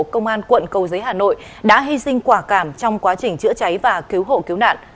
công an quận cầu giấy hà nội đã hy sinh quả cảm trong quá trình chữa cháy và cứu hộ cứu nạn